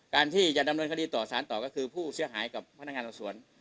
การที่จะดำเนินคดีต่อสารต่อก็คือผู้เสียหายกับพนักงานสอบสวน